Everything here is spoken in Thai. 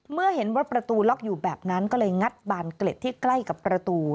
เมื่อเห็นว่าประตูล็อกอยู่แบบนั้นก็เลยงัดบานเกล็ดที่ใกล้กับประตู